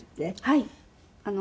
はい。